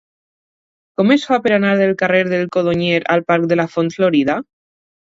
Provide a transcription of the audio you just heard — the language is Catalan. Com es fa per anar del carrer del Codonyer al parc de la Font Florida?